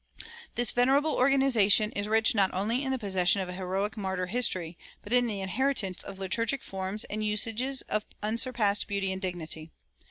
This venerable organization is rich not only in the possession of a heroic martyr history, but in the inheritance of liturgic forms and usages of unsurpassed beauty and dignity.